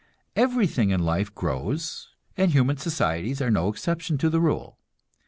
Everything in life grows, and human societies are no exception to the rule.